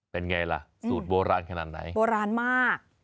เป็นไงล่ะสูตรโบราณขนาดไหนโบราณมาก